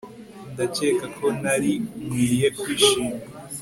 Ndakeka ko nari nkwiye kwishima